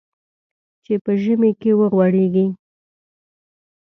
چې په ژمي کې وغوړېږي .